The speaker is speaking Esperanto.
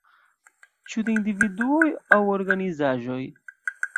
Ĉu de individuoj aŭ organizaĵoj?